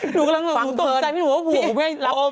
หนูกำลังตกใจที่หนูว่าผัวกูไม่รับ